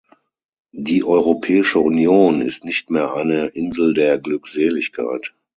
Die Europäische Union ist nicht mehr eine Insel der Glückseligkeit.